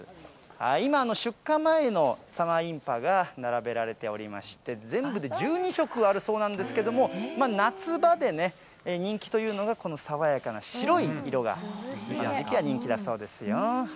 今、出荷前のサマーインパが並べられておりまして、全部で１２色あるそうなんですけれども、夏場でね、人気というのがこの爽やかな白い色が、今の時期は人気だそうですよ。